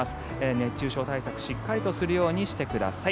熱中症対策しっかりとするようにしてください。